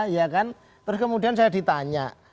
ya kan terus kemudian saya ditanya